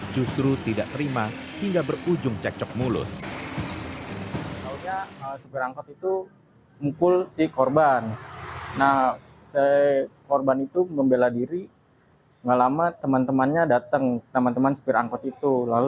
justru tidak terima hingga berujung cekcok mulut